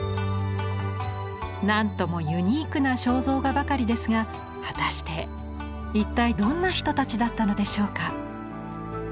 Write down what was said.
何ともユニークな肖像画ばかりですが果たして一体どんな人たちだったのでしょうか。